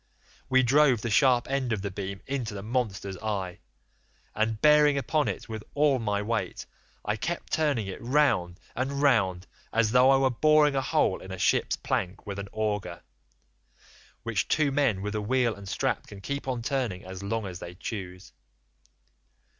We drove the sharp end of the beam into the monster's eye, and bearing upon it with all my weight I kept turning it round and round as though I were boring a hole in a ship's plank with an auger, which two men with a wheel and strap can keep on turning as long as they choose.